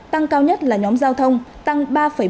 tăng cao nhất là nhóm giao thông tăng ba bốn